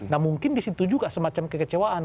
nah mungkin disitu juga semacam kekecewaan